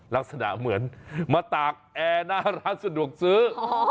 ลักษณะเหมือนมาตากแอร์หน้าร้านสะดวกซื้อ